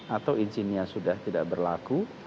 atau izinnya sudah tidak berlaku